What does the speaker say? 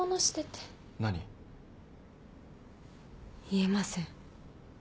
言えません。